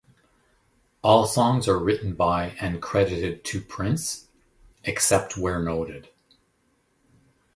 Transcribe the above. All songs are written by and credited to Prince, except where noted.